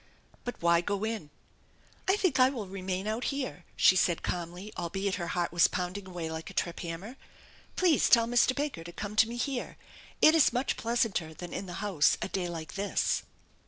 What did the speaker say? But why go in? THE ENCHANTED BARN 26t " I think I will remain out here," she said calmly, albeit her heart was pounding away like a trip hammer. " Pleasa tell Mr. Baker to come to me here. It is much pleasantei than in the house a day like this."